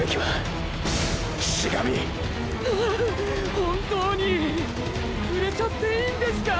本当にィ触れちゃっていいんですかぁ？